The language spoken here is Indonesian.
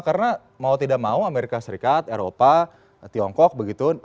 karena mau tidak mau amerika serikat eropa tiongkok begitu